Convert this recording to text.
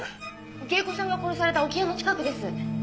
芸妓さんが殺された置屋の近くです。